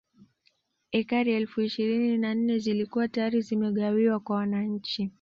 Ekari elfu ishirini na nne zilikuwa tayari zimegawiwa kwa wananchi